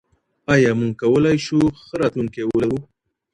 ایا موږ کولای سو ښه راتلونکی ولرو؟